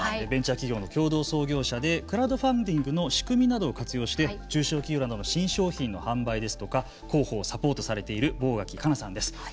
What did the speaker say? ベンチャー企業の共同創業者でクラウドファンディングの仕組みなどを活用して中小企業などの新商品の販売ですとか広報をサポートされている坊垣佳奈さんです。